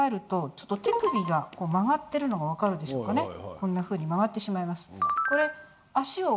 こんなふうに曲がってしまいます。